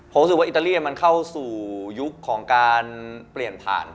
ผมรู้สึกว่าอิตาเลียมันเข้าสู่ยุคของการเปลี่ยนผ่าน